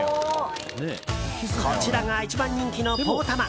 こちらが一番人気のポーたま。